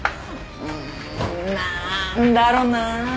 うん何だろな。